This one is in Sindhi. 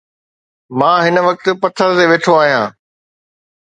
مان هن وقت پٿر تي ويٺو آهيان